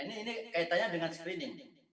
ini kaitannya dengan screening